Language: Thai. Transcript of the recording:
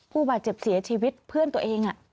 ผู้บาดเจ็บเสียชีวิตเพื่อนตัวเอง